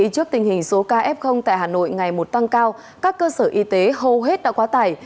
trước tình hình số ca f tại hà nội ngày một tăng cao các cơ sở y tế hầu hết đã quá tải